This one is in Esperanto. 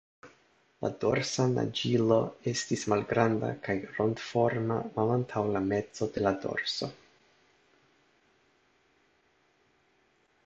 La dorsa naĝilo ests malgranda kaj rondoforma malantaŭ la mezo de la dorso.